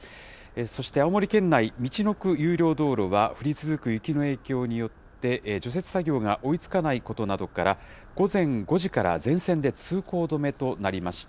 そして青森県内、みちのく有料道路は降り続く雪の影響によって、除雪作業が追いつかないことなどから、午前５時から全線で通行止めとなりました。